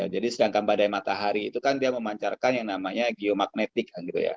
jadi sedangkan badai matahari itu kan dia memancarkan yang namanya geomagnetik